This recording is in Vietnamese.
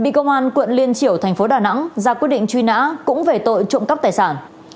bị công an tp đà nẵng ra quyết định truy nã cũng về tội trộm cắp tài sản